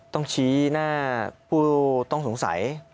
ต้องชี้หน้าผู้ต้องสงสัย